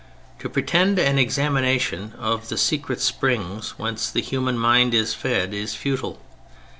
To pretend an examination of the secret springs whence the human mind is fed is futile.